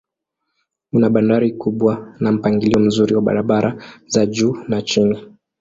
Una bandari kubwa na mpangilio mzuri wa barabara za juu na chini.